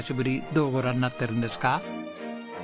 どうご覧になってるんですか？